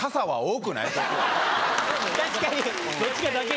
確かに！